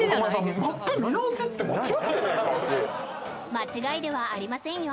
間違いではありませんよ